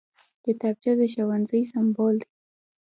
کتابچه د ښوونځي سمبول دی